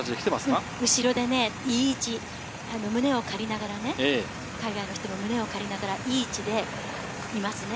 いい位置、胸を借りながら海外の人の胸を借りながらいい位置でいますね。